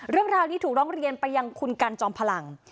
เรื่องราวนี้ถูกร้องเรียนไปยังคุณกันจอมพลัง